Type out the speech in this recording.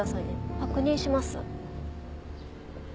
確認します。